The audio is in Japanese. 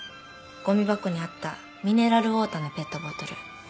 ごみ箱にあったミネラルウオーターのペットボトル。